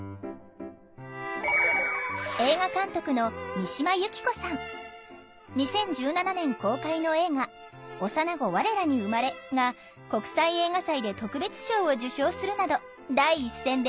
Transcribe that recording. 言われて実は声優の声を２０１７年公開の映画「幼な子われらに生まれ」が国際映画祭で特別賞を受賞するなど第一線で活躍。